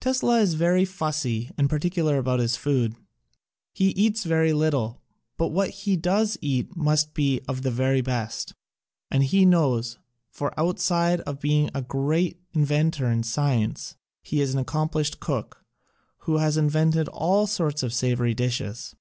Tesla is very fussy and particular about his food: he eats very little, but what he does eat must be of the very best. And he knows, for outside of being a great inventor in science he is an accomplished cook who has invented all sorts of savory dishes.